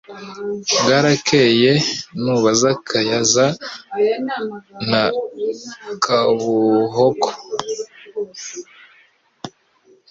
Bwarakeye nu baza Kayaza na Kabuhoko